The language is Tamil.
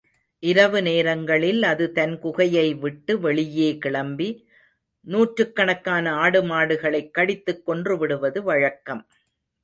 இரவு நேரங்களில் அது தன் குகையை விட்டு வெளியே கிளம்பி, நூற்றுக்கணக்கான ஆடுமாடுகளைக் கடித்துக் கொன்றுவிடுவது வழக்கம்.